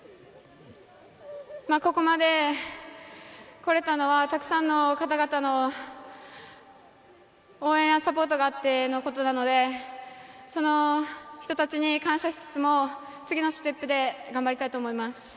ここまで来れたのは、たくさんの方々の応援やサポートがあってのことなのでその人たちに感謝しつつも次のステップで頑張りたいと思います。